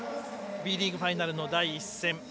Ｂリーグファイナルの第１戦。